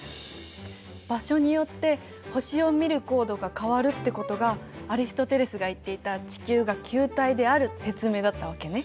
場所によって星を見る高度が変わるってことがアリストテレスが言っていた地球が球体である説明だったわけね。